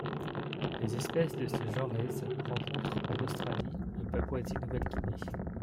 Les espèces de ce genrese rencontre en Australie et Papouasie-Nouvelle-Guinée.